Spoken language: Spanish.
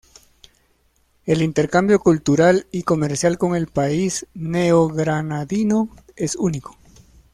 El intercambio cultural y comercial con el país neogranadino es único.